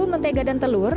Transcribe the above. mentega dan telur